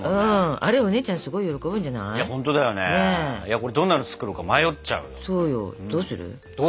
これどんなの作ろうか迷っちゃう。